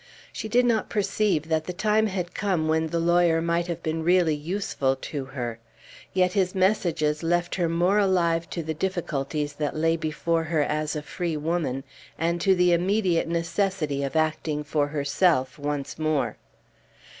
She did not perceive that the time had come when the lawyer might have been really useful to her. Yet his messages left her more alive to the difficulties that lay before her as a free woman, and to the immediate necessity of acting for herself once more.